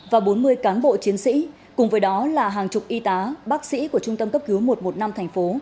và bốn mươi cán bộ chiến sĩ cùng với đó là hàng chục y tá bác sĩ của trung tâm cấp cứu một trăm một mươi năm thành phố